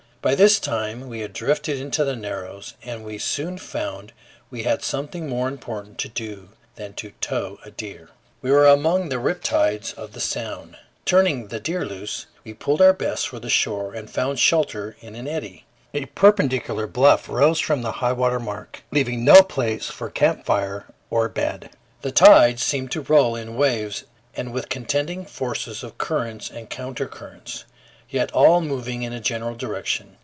By this time we had drifted into the Narrows, and we soon found we had something more important to do than to tow a deer. We were among the tide rips of the Sound. Turning the deer loose, we pulled our best for the shore, and found shelter in an eddy. A perpendicular bluff rose from the highwater mark, leaving no place for camp fire or bed. The tide seemed to roll in waves and with contending forces of currents and counter currents, yet all moving in a general direction.